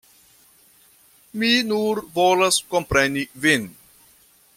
Mi nur volas kompreni vin.